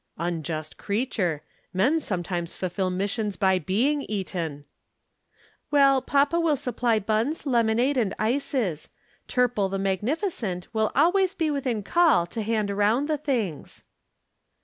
"Unjust creature! Men sometimes fulfil missions by being eaten." "Well, papa will supply buns, lemonade and ices. Turple the magnificent, will always be within call to hand round the things."